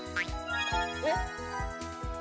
えっ。